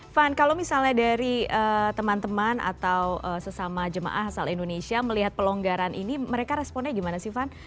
van kalau misalnya dari teman teman atau sesama jemaah asal indonesia melihat pelonggaran ini mereka responnya gimana sih van